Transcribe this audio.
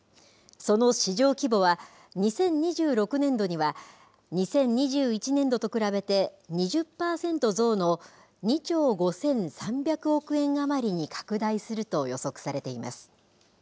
その市場規模は、２０２６年度には、２０２１年度と比べて、２０％増の２兆５３００億円余りに拡大すると予測されています。